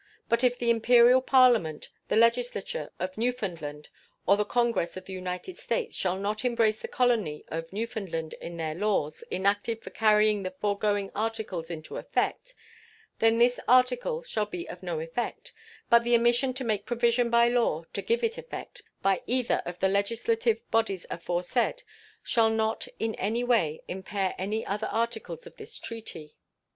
But if the Imperial Parliament, the legislature of Newfoundland, or the Congress of the United States shall not embrace the colony of Newfoundland in their laws enacted for carrying the foregoing articles into effect, then this article shall be of no effect; but the omission to make provision by law to give it effect, by either of the legislative bodies aforesaid, shall not in any way impair any other articles of this treaty.